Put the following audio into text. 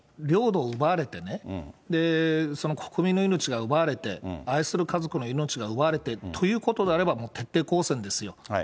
領土を奪われてね、その国民の命が奪われて、愛する家族の命が奪われてということであれば、もう徹底抗戦ですよ。